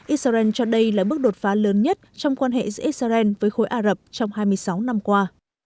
israel cho đây là bước đột phá lớn nhất trong quan hệ giữa israel với khối ả rập trong hai mươi sáu năm qua